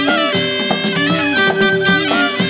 โปรดติดตามต่อไป